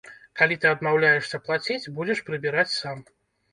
Калі ты адмаўляешся плаціць, будзеш прыбіраць сам.